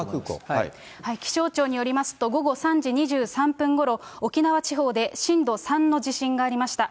気象庁によりますと、午後３時２３分ごろ、沖縄地方で震度３の地震がありました。